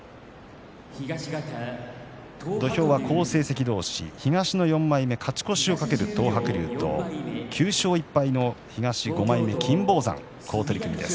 土俵は好成績同士、東の４枚目勝ち越しを懸ける東白龍と９勝１敗の東５枚目、金峰山です。